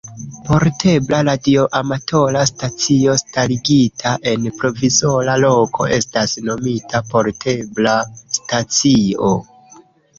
Portebla radioamatora stacio starigita en provizora loko estas nomita portebla stacio.